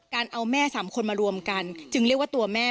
เอาแม่สามคนมารวมกันจึงเรียกว่าตัวแม่